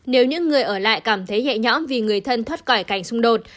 nếu những người ở lại cảm thấy nhẹ nhõm vì người thân thoát khỏi cảnh xung đột